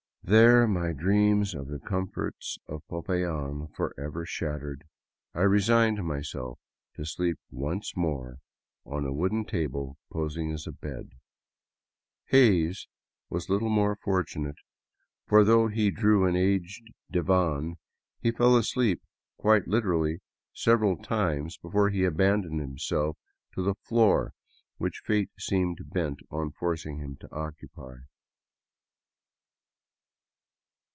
There, my dreams of the comforts of Popayan forever shattered, I resigned myself to sleep once more on a wooden table posing as a bed. Hays was little more fortunate, for though he drew an aged divan, he fell asleep quite liter ally several times before he abandoned himself to the floor which fate seemed bent on forcing him to occupy.